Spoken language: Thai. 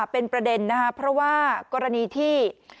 เป็นประเด็นนะครับเพราะว่ากรณีที่